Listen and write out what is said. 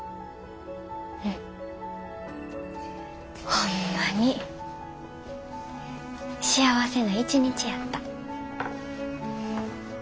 ホンマに幸せな一日やった。